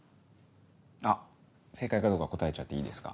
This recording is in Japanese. あっ正解かどうか答えちゃっていいですか？